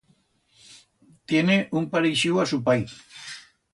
Tiene un pareixiu a su pai.